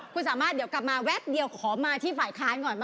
คุณสามารถเดี๋ยวกลับมาแวบเดียวขอมาที่ฝ่ายค้านก่อนไหม